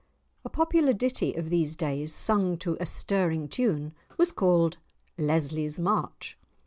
A popular ditty of these days, sung to a stirring tune, was called "Lesly's March."